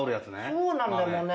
そうなんだよもうね。